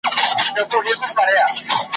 او تمدني وقار دفاع ده